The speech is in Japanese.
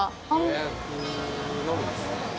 予約のみですね。